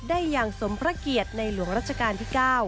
ได้อย่างสมพระเกียรติในหลวงรัชกาลที่๙